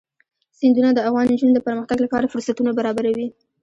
سیندونه د افغان نجونو د پرمختګ لپاره فرصتونه برابروي.